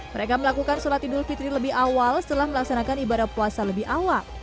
mereka melakukan sholat idul fitri lebih awal setelah melaksanakan ibadah puasa lebih awal